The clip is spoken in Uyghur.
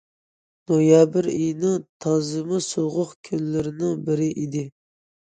نويابىر ئېيىنىڭ تازىمۇ سوغۇق كۈنلىرىنىڭ بىرى ئىدى.